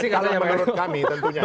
kalau menurut kami tentunya